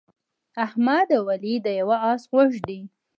احمد او علي د یوه اس غوږ دي.